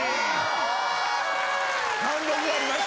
貫禄ありました。